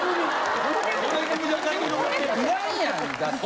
いらんやんだったら。